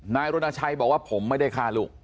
นายรณชัยบอกว่าผมไม่ได้ฆ่าลูก